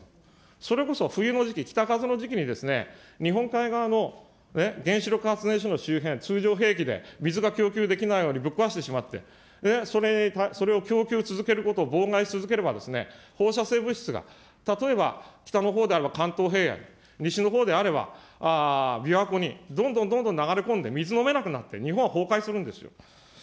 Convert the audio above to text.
それこそ冬の時期、北風の時期に、日本海側の原子力発電所の周辺、通常兵器で水が供給できないようにぶっ壊してしまって、それを供給続けることを妨害し続ければ、放射性物質が、北のほうであれば関東平野、西のほうであればびわ湖にどんどんどんどん流れ込んで、水飲めなくなって、日本は崩壊するんですよ。